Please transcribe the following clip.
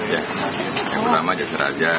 ya yang utama ya seraja